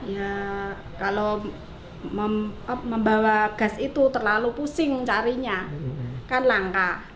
ya kalau membawa gas itu terlalu pusing carinya kan langka